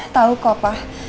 tau kok pak